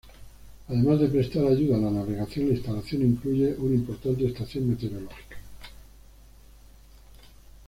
Además de prestar ayuda a la navegación, la instalación incluye una importante estación meteorológica.